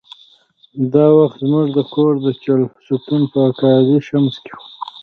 دا وخت زموږ کور د چهلستون په اقا علي شمس کې و.